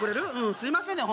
すいませんね